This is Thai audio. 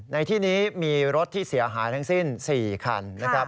ในที่นี้มีรถที่เสียหายทั้งสิ้น๔คันนะครับ